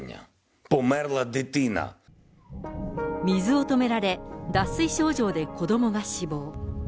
水を止められ、脱水症状で子どもが死亡。